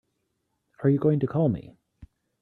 Are you going to call me?